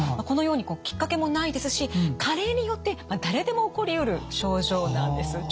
このようにきっかけもないですし加齢によって誰でも起こりうる症状なんです。